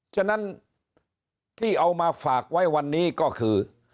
ฉะนั้นที่เอามาฝากไว้วันนี้ก็คือ